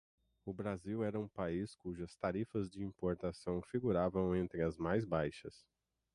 o Brasil era um país cujas tarifas de importação figuravam entre as mais baixas